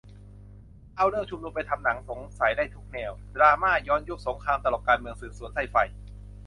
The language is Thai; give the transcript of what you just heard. ถ้าเอาเรื่องชุมนุมไปทำหนังสงสัยได้ทุกแนว ดราม่า ย้อนยุค สงคราม ตลก การเมือง สืบสวน ไซไฟ